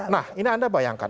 nah ini anda bayangkan